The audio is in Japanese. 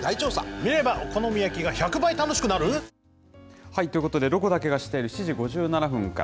見ればお好み焼きが１００倍楽しくなる？ということで、ロコだけが知っている、７時５７分から。